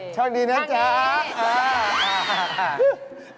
ช่างดีนะจ๊ะอ้า